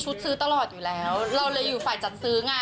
ซื้อตลอดอยู่แล้วเราเลยอยู่ฝ่ายจัดซื้อไง